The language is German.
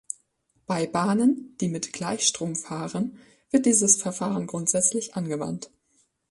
Bei Bahnen, die mit Gleichstrom fahren, wird dieses Verfahren grundsätzlich angewandt.